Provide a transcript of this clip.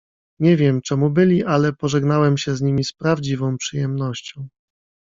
"Nie wiem, czem byli, ale pożegnałem się z nimi z prawdziwą przyjemnością."